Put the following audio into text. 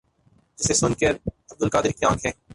جسے سن کر عبدالقادر کی انکھیں